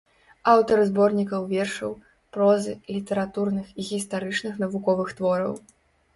Аўтар зборнікаў вершаў, прозы, літаратурных і гістарычных навуковых твораў.